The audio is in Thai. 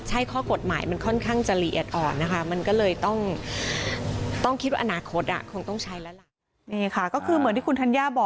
ใช่ข้อกฎหมายมันค่อนข้างจะละเอียดอ่อนนะคะมันก็เลยต้องคิดว่าอนาคตคงต้องใช้แล้วล่ะ